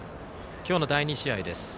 今日の第２試合です。